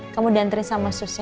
kamu diantre sama sus ya